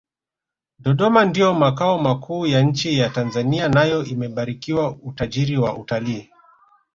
dodoma ndiyo makao makuu ya nchi ya tanzania nayo imebarikiwa utajiri wa utalii